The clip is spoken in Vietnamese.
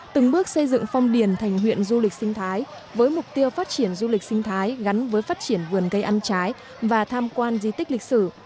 từng bước xây dựng phong điền thành huyện du lịch sinh thái với mục tiêu phát triển du lịch sinh thái gắn với phát triển vườn cây ăn trái và tham quan di tích lịch sử